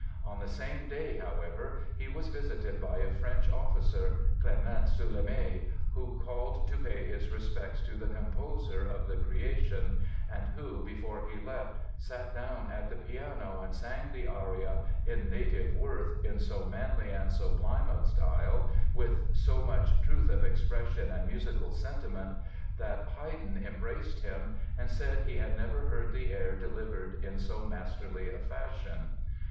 On the same day, however, he was visited by a French officer, Clément Sulémy, who called to pay his respects to the composer of "The Creation" and who, before he left, sat down at the piano and sang the aria "In Native Worth" "in so manly and so sublime a style, with so much truth of expression and musical sentiment" that Haydn embraced him and said he had never heard the air delivered in so masterly a fashion.